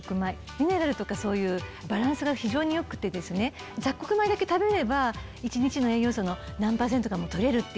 ミネラルとかそういうバランスが非常に良くて雑穀米だけ食べれば一日の栄養素の何％かも取れる。